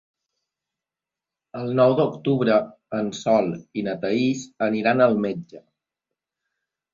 El nou d'octubre en Sol i na Thaís aniran al metge.